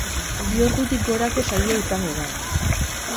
Bi ordutik gorako saioa izango da.